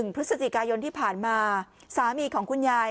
พฤศจิกายนที่ผ่านมาสามีของคุณยาย